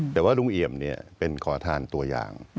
แต่ว่าลุงเอี่ยมเป็นขอทานตัวอย่าง